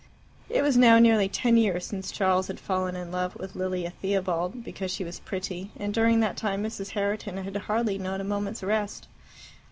It was now nearly ten years since Charles had fallen in love with Lilia Theobald because she was pretty, and during that time Mrs. Herriton had hardly known a moment's rest.